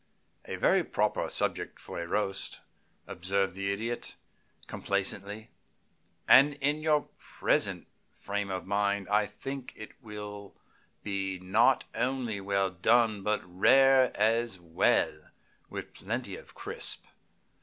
"A very proper subject for a roast," observed the Idiot, complacently, "and in your present frame of mind I think it will be not only well done, but rare as well, with plenty of crisp.